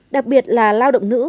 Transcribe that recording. đặc biệt là lao động nữ